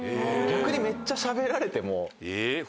逆にめっちゃしゃべられても。